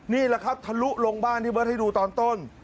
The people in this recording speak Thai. นี่แหละครับทะลุลงบ้านที่เบิร์ตให้ดูตอนต้น